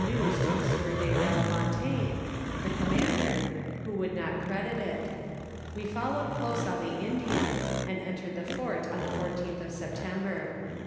news to the »«iour de I3elle Fontaine, the commander, who wonld not credit it; we followed close on the Indian, and ei,^«^red tho t'uit on the 14th of September.